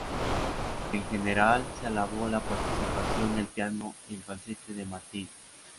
En general se alabó la participación del piano y el falsete de Martin.